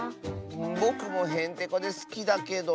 ぼくもへんてこですきだけど。